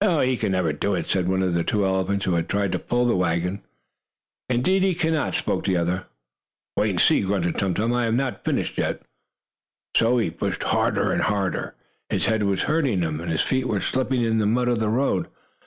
"He can never do it," said one of the two elephants who had tried to pull the wagon. "Indeed he cannot," spoke the other. "Wait and see!" grunted Tum Tum. "I have not finished yet." He pushed harder and harder. His head was hurting him, and his feet were slipping in the mud of the road.